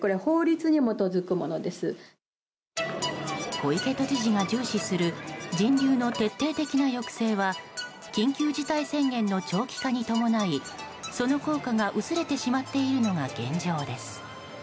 小池都知事が重視する人流の徹底的な抑制は緊急事態宣言の長期化に伴いその効果が薄れてしまっているのが現状です。